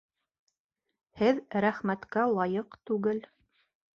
Һеҙ рәхмәткә лайыҡ түгел